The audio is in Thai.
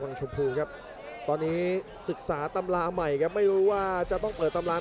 สักค่อยเดินเข้ามาหมดยกที่สองครับ